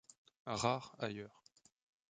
Rare ailleurs.